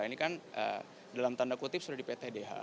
ini kan dalam tanda kutip sudah di ptdh